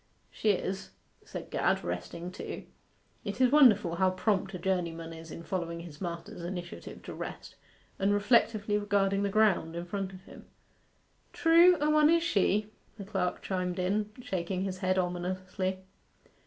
'She is,' said Gad, resting too (it is wonderful how prompt a journeyman is in following his master's initiative to rest) and reflectively regarding the ground in front of him. 'True: a one is she,' the clerk chimed in, shaking his head ominously.